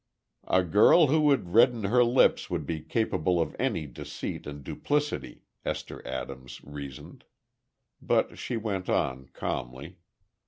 "A girl who would redden her lips would be capable of any deceit and duplicity," Esther Adams reasoned. But she went on, calmly.